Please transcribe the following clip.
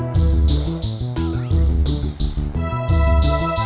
tidak ada yang pakai